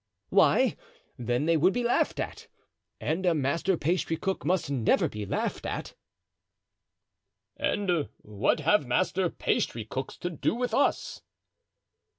"Why, then they would be laughed at, and a master pastrycook must never be laughed at." "And what have master pastrycooks to do with us?"